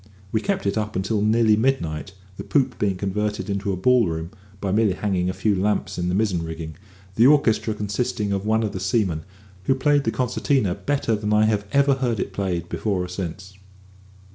We kept it up until nearly midnight, the poop being converted into a ball room by merely hanging a few lamps in the mizzen rigging; the orchestra consisting of one of the seamen, who played the concertina better than I ever heard it played before or since.